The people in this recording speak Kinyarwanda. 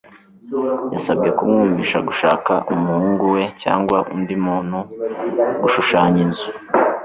yasabwe kumwumvisha gushaka umuhungu we cyangwa undi muntu gushushanya inzu